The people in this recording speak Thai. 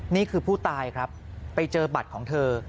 นี่คือผู้ตายครับไปเจอบัตรของเธอ